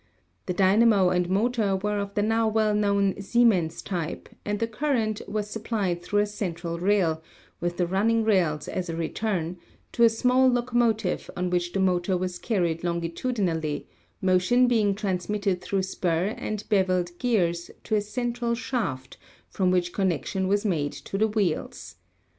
The dynamo and motor were of the now well known Siemens type, and the current was supplied through a central rail, with the running rails as a return, to a small locomotive on which the motor was carried longitudinally, motion being transmitted through spur and beveled gears to a central shaft from which con nection was made to the wheels.